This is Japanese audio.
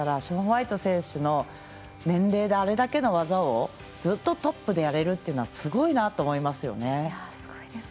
ショーン・ホワイト選手の年齢であれだけの技をずっとトップでやれるというのはすごいなと思いますね。